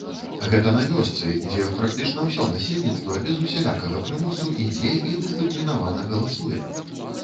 Гэта на вёсцы, дзе практычна ўсё насельніцтва без усялякага прымусу ідзе і дысцыплінавана галасуе!